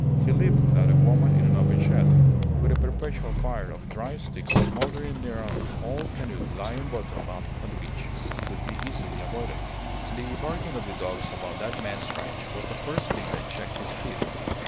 He lived without a woman in an open shed, with a perpetual fire of dry sticks smouldering near an old canoe lying bottom up on the beach. He could be easily avoided. The barking of the dogs about that man's ranche was the first thing that checked his speed.